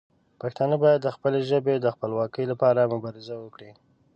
پښتانه باید د خپلې ژبې د خپلواکۍ لپاره مبارزه وکړي.